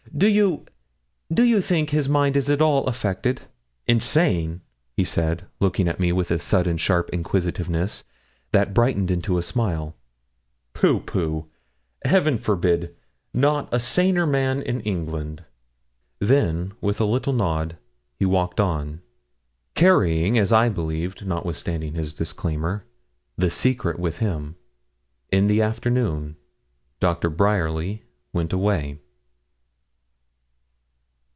'Do you do you think his mind is at all affected?' 'Insane?' he said, looking at me with a sudden, sharp inquisitiveness, that brightened into a smile. 'Pooh, pooh! Heaven forbid! not a saner man in England.' Then with a little nod he walked on, carrying, as I believed, notwithstanding his disclaimer, the secret with him. In the afternoon Doctor Bryerly went away.